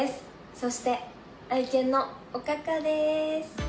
そして愛犬のおかかです。